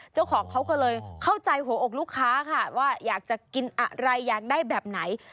เจ้าของเขาก็เลยเข้าใจหัวอกลูกค้าค่ะว่าอยากจะกินอะไรอยากได้แบบไหน